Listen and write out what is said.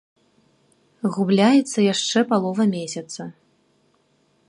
Губляецца яшчэ палова месяца.